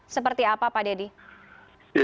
seperti apa pak deddy